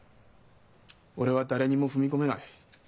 俺は誰にも踏み込めない。